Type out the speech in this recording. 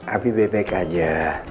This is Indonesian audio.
abi baik baik aja